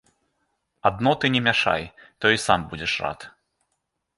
Адно ты не мяшай, то і сам будзеш рад.